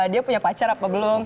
dia punya pacar apa belum